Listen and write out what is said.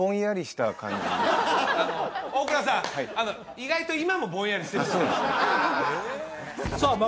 意外と今もぼんやりしてるあっ